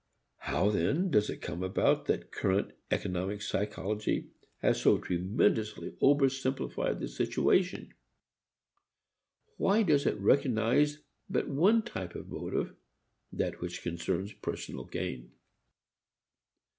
How then does it come about that current economic psychology has so tremendously oversimplified the situation? Why does it recognize but one type of motive, that which concerns personal gain.